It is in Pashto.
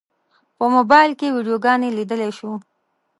په موبایل کې ویډیوګانې لیدلی شو.